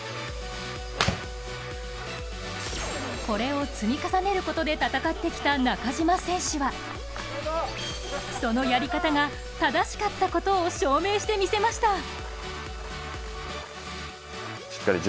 これを積み重ねることで戦ってきた中島選手はそのやり方が正しかったことを証明してみせました。